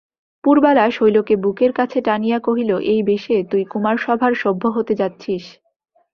পুরবালা শৈলকে বুকের কাছে টানিয়া কহিল, এই বেশে তুই কুমারসভার সভ্য হতে যাচ্ছিস?